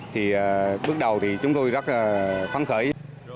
thì bước đầu thì chúng tôi rất phán khởi